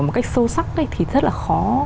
một cách sâu sắc thì rất là khó